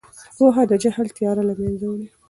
پوهه د جهل تیاره له منځه وړي.